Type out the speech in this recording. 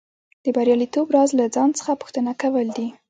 د بریالیتوب راز له ځان څخه پوښتنه کول دي